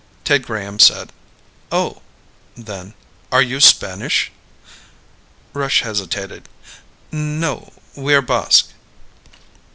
Ted Graham said, "Oh." Then: "Are you Spanish?" Rush hesitated. "No. We are Basque."